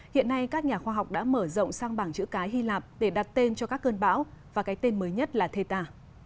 hiện nay các nhà khoa học đã mở rộng sang bảng chữ cái hy lạp để đặt tên cho các cơn bão và cái tên mới nhất là thê tà